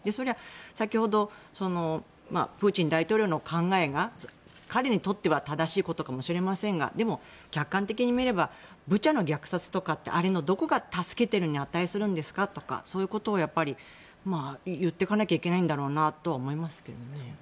先ほどプーチン大統領の考えが彼にとっては正しいことかもしれませんがでも客観的に見ればブチャの虐殺とかって何が助けていることになるんですかとそういうことを言っていかなきゃいけないんだろうなって思いますけどね。